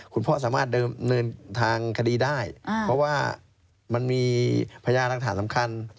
คุณพ่อสามารถเดินทางคดีได้เพราะว่ามันมีพยานหลักฐานสำคัญ